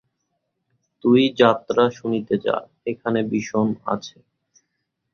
তুই যাত্রা শুনিতে যা, এখানে বিষণ আছে।